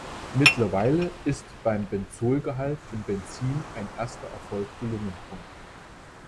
Mittlerweile ist beim Benzolgehalt im Benzin ein erster Erfolg gelungen.